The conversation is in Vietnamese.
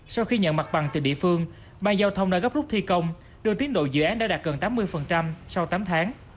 sau khi nhận mặt bằng từ địa phương ban giao thông đã gấp rút thi công đưa tiến độ dự án đã đạt gần tám mươi sau tám tháng